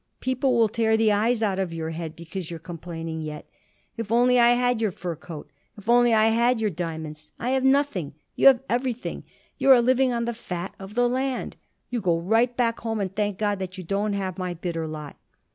People will tear the eyes out of your head because you're complaining yet. If I only had your fur coat! If I only had your diamonds! I have nothing. You have everything. You are living on the fat of the land. You go right back home and thank God that you don't have my bitter lot."